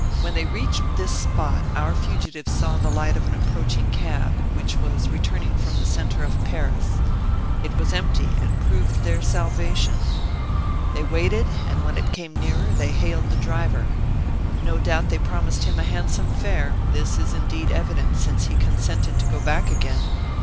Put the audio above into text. When they reached this spot, our fugitives saw the light of an approaching cab, which was returning from the centre of Paris. It was empty, and proved their salvation. They waited, and when it came nearer they hailed the driver. No doubt they promised him a handsome fare; this is indeed evident, since he consented to go back again.